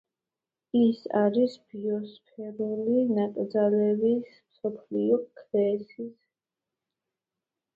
ის არის ბიოსფერული ნაკრძალების მსოფლიო ქსელის ნაწილი.